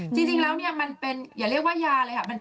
จริงแล้วมันเป็นอย่าเรียกว่ายาเลยครับ